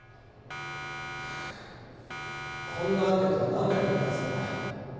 こんなアンケートが何の役に立つんだよ。